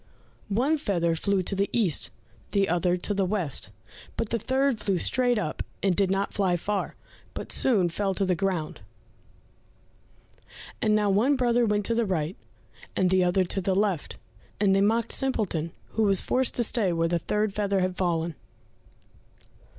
One feather flew to the east, the other to the west, but the third flew straight up and did not fly far, but soon fell to the ground. And now one brother went to the right, and the other to the left, and they mocked Simpleton, who was forced to stay where the third feather had fallen.